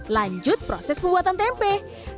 lanjut proses pembuatan tempe